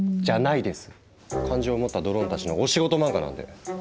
感情を持ったドローンたちのお仕事漫画なんで！